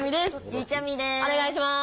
お願いします。